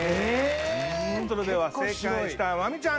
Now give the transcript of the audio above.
それでは正解したまみちゃん